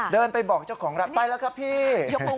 เดินไปบอกเจ้าของร้านไปแล้วครับพี่